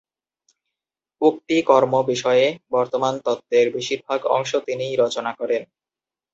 উক্তি কর্ম বিষয়ে বর্তমান তত্ত্বের বেশির ভাগ অংশ তিনিই রচনা করেন।